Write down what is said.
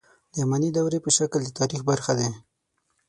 د اماني دورې په شکل د تاریخ برخه دي.